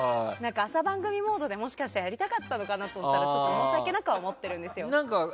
朝番組モードでやりたかったのかなと思ってちょっと申し訳なくは思ってるんですよ。